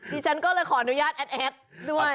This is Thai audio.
ที่ฉันก็เลยขออนุญาตแอ๊ดแอ๊ดด้วย